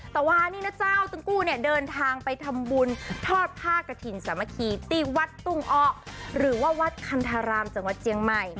แต่ว่านี่นะเจ้าตังกู้เนี่ยเดินทางไปทำบุญทอดผ้ากระถิ่นสามัคคีที่วัดตุ้งอ้อหรือว่าวัดคันธารามจังหวัดเจียงใหม่